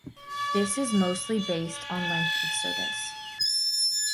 This is mostly based on length of service.